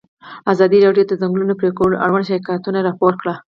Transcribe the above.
ازادي راډیو د د ځنګلونو پرېکول اړوند شکایتونه راپور کړي.